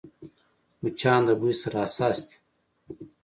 مچان د بوی سره حساس دي